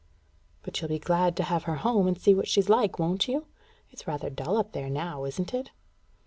"But you'll be glad to have her home, and see what she's like, won't you? It's rather dull up there now, isn't it?"